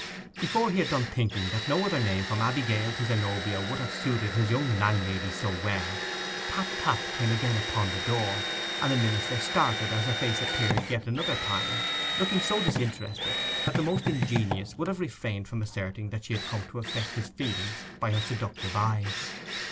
Before he had done thinking that no other name from Abigail to Zenobia would have suited his young landlady so well, tap tap came again upon the door; and the minister started as her face appeared yet another time, looking so disinterested that the most ingenious would have refrained from asserting that she had come to affect his feelings by her seductive eyes.